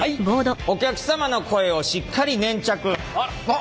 「お客様の声をしっかり粘着！！」。